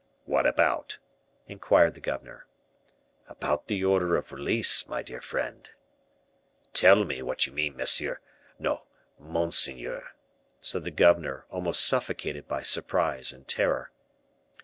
"What about?" inquired the governor. "About the order of release, my dear friend." "Tell me what you mean, monsieur no, monseigneur," said the governor, almost suffocated by surprise and terror.